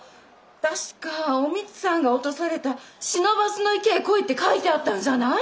確かお美津さんが落とされた「不忍池へ来い」って書いてあったんじゃない？